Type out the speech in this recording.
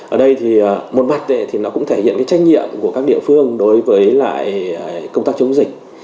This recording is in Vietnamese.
ở đây thì một mặt thì nó cũng thể hiện cái trách nhiệm của các địa phương đối với lại công tác chống dịch